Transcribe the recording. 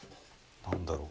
何だろう。